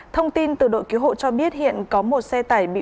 thông tin từ đội cứu hộ cho biết hiện có một xe tải bị